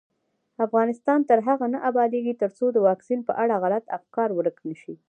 افغانستان تر هغو نه ابادیږي، ترڅو د واکسین په اړه غلط افکار ورک نشي.